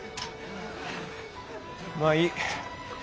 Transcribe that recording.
まあいい。